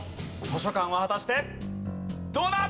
図書館は果たしてどうだ？